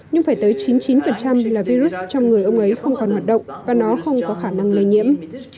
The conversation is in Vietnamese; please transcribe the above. nhưng phải tới chín mươi chín là virus trong người ông ấy không còn hoạt động và nó không có khả năng lây nhiễm